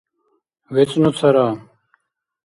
вецӀну цара